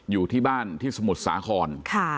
อยู่ที่บ้านที่สมุทรสาคร